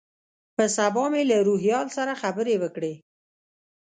په سبا مې له روهیال سره خبرې وکړې.